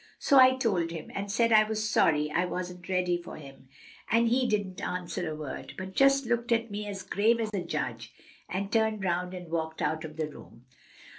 So I told him, and said I was sorry I wasn't ready for him, and he didn't answer a word, but just looked at me as grave as a judge, and turned round and walked out of the room."